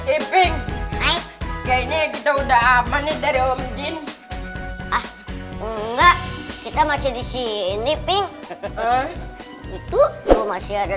ebing kayaknya kita udah aman dari om jin ah enggak kita masih di sini ping itu masih ada